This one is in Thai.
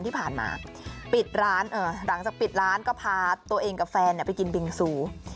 ที่ผ่านมาปิดร้านหลังจากปิดร้านก็พาตัวเองกับแฟนไปกินบิงซู